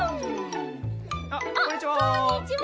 あっこんにちは。